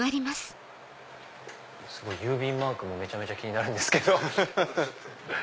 郵便マークもめちゃめちゃ気になるんですけど。